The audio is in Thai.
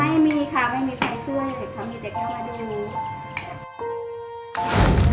ไม่มีค่ะไม่มีใครช่วย